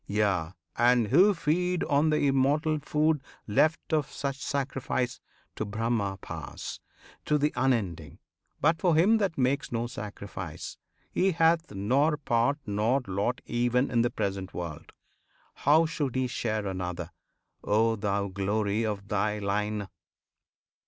Yea! and who feed on the immortal food Left of such sacrifice, to Brahma pass, To The Unending. But for him that makes No sacrifice, he hath nor part nor lot Even in the present world. How should he share Another, O thou Glory of thy Line?